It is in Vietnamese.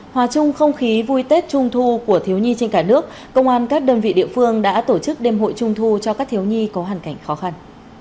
hòa chung không khí vui tết trung thu của thiếu nhi trên cả nước công an các đơn vị địa phương đã tổ chức đêm hội trung thu cho các thiếu nhi có hoàn cảnh khó khăn